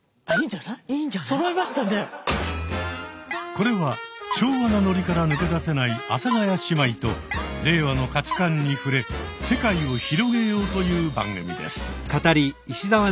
これは昭和なノリから抜け出せない阿佐ヶ谷姉妹と令和の価値観に触れ世界を広げようという番組です。